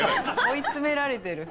追い詰められてる。